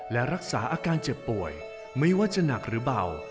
และรักษาอาการเจ็บป่วยไม่ว่าจะหนักหรือเบา